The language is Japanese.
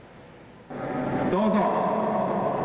どうぞ。